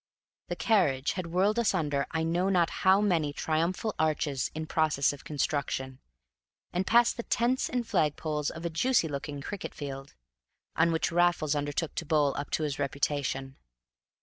The carriage had whirled us under I know not how many triumphal arches in process of construction, and past the tents and flag poles of a juicy looking cricket field, on which Raffles undertook to bowl up to his reputation.